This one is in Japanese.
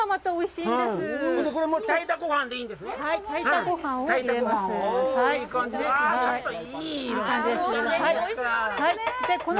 いい感じで。